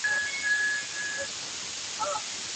له نه وسه مي ددۍ خور يې.